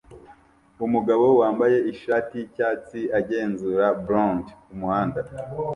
Umugabo wambaye ishati yicyatsi agenzura blond kumuhanda